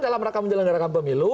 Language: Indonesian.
dalam rangka menjelenggarakan pemilu